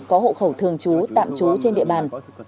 có hộ khẩu thường trú tạm trú trên địa bàn